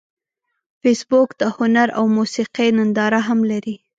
فېسبوک د هنر او موسیقۍ ننداره هم لري